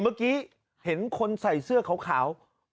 เมื่อกี้เห็นคนใส่เสื้อขาว